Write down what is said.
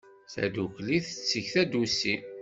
Tadukli tetteg tadusi.